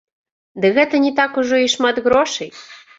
Ды гэта не так ужо і шмат грошай.